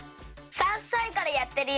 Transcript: ３さいからやってるよ。